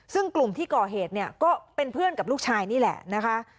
ซึ่งกลุ่มที่ก่อเหตุเนี่ยก็เป็นเพื่อนกับลูกชายนี่แหละนะคะ